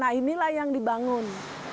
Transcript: nah inilah yang dibangun